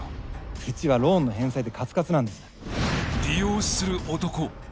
うちはローンの返済でカツカツなんです。